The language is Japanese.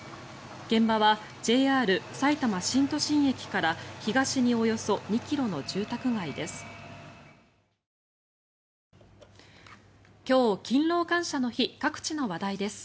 現場はＪＲさいたま新都心駅から東におよそ２ｋｍの住宅街です。